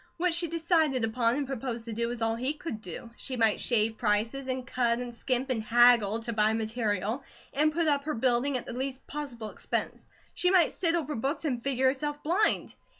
What she decided upon and proposed to do was all he could do. She might shave prices, and cut, and skimp, and haggle to buy material, and put up her building at the least possible expense. She might sit over books and figure herself blind.